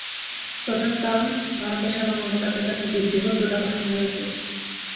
প্রধান কারণ, ভারতের সাধারণ ভোটারদের কাছে দুই বৃহৎ জোট আকর্ষণ হারিয়ে ফেলেছে।